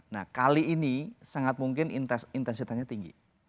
nah kali ini sangat mungkin intensitasnya tinggi